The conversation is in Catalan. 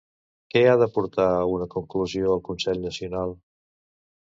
Què ha de portar a una conclusió el Consell Nacional?